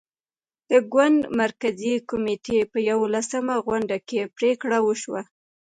د ګوند مرکزي کمېټې په یوولسمه غونډه کې پرېکړه وشوه.